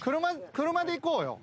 車で行こうよ。